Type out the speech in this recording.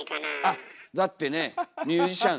あっだってねミュージシャン。